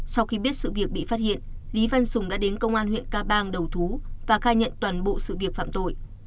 sau khi biết sự việc bị phát hiện lý văn sùng đã đến công an huyện ca bang đầu thú và khai nhận toàn bộ sự việc phạm tội